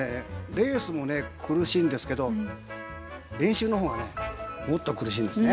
レースもね苦しいんですけど練習の方がねもっと苦しいんですね。